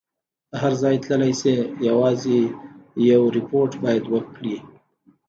ته هر ځای تللای شې، یوازې یو ریپورټ باید وکړي.